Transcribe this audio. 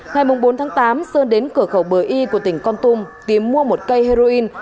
ngày bốn tháng tám sơn đến cửa khẩu bờ y của tỉnh con tum tìm mua một cây heroin